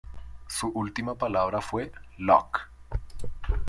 Su última palabra fue: Locke.